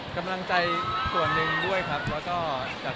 กำลังใจส่วนหนึ่งด้วยครับเพราะก็